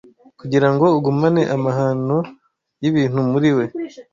kugirango ugumane amahano yibintu muriwe